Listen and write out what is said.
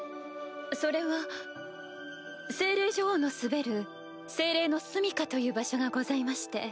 それは精霊女王の統べる「精霊の棲家」という場所がございまして。